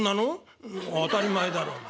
「当たり前だろお前。